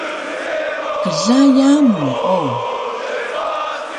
Kla yamu o!